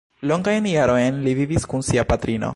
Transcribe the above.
Longajn jarojn li vivis kun sia patrino.